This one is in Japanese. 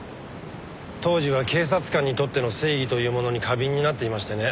当時は警察官にとっての正義というものに過敏になっていましてね。